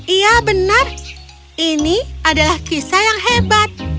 iya benar ini adalah kisah yang hebat